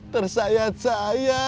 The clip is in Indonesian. sepalin ke salur saja